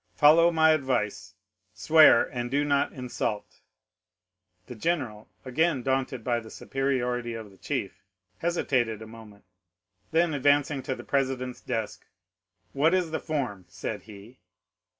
Follow my advice, swear, and do not insult." The general, again daunted by the superiority of the chief, hesitated a moment; then advancing to the president's desk,—"What is the form, said he.